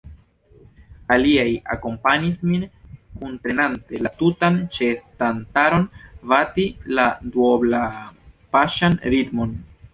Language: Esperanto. Aliaj akompanis min, kuntrenante la tutan ĉeestantaron bati la duoblapaŝan ritmon.